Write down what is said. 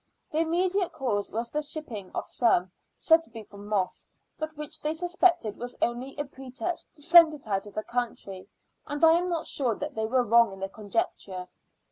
The immediate cause was the shipping of some, said to be for Moss, but which they suspected was only a pretext to send it out of the country, and I am not sure that they were wrong in their conjecture.